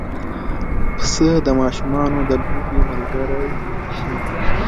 پسه د ماشومانو د لوبې ملګری شي.